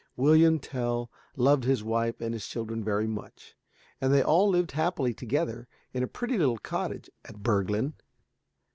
William Tell loved his wife and his children very much, and they all lived happily together in a pretty little cottage at Bürglen.